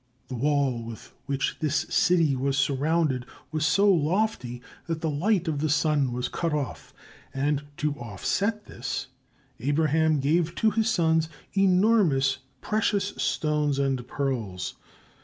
The wall with which this city was surrounded was so lofty that the light of the sun was cut off, and to offset this Abraham gave to his sons enormous precious stones and pearls.